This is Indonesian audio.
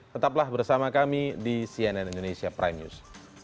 tetaplah bersama kami di cnn indonesia prime news